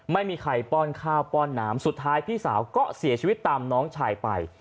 ไม่มีใครป้อนข้าวป้อนน้ำสุดท้ายพี่สาวก็เสียชีวิตตามน้องชายไป